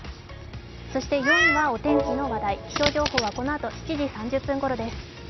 そして４位はお天気の話題気象情報はこのあと７時３０分ごろです。